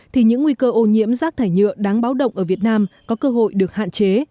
thì những nguy cơ ô nhiễm rác thải nhựa đáng báo động ở việt nam có cơ hội được hạn chế